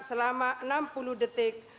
selama enam puluh detik